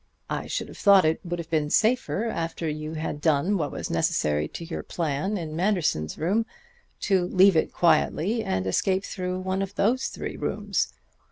I should have thought it would have been safer, after you had done what was necessary to your plan in Manderson's room, to leave it quietly and escape through one of those three rooms....